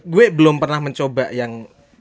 gue belum pernah mencoba yang